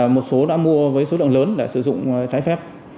một số đã mua với số lượng lớn để sử dụng trái phép